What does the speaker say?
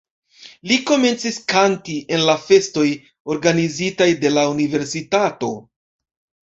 Li komencis kanti en la festoj organizitaj de la universitato.